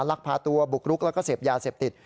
ลักพาตัวบุกรุกแล้วก็เสพยาเสพติด